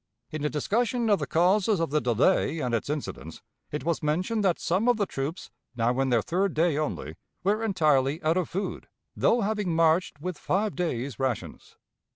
In a discussion of the causes of the delay and its incidents, it was mentioned that some of the troops, now in their third day only, were entirely out of food, though having marched with five days' rations.